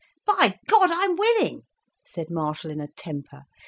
"By God, I'm willing," said Marshall, in a temper.